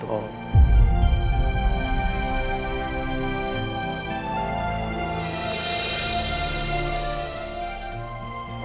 sayang peken hor